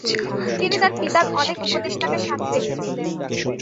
তিনি তার পিতার অনেক উপদেষ্টাকে সাথে রেখেছিলেন।